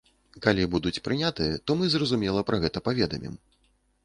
Калі будуць прынятыя, то мы, зразумела, пра гэта паведамім.